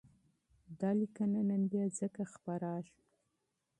دا لیکنه نن ځکه بیا خپرېږي،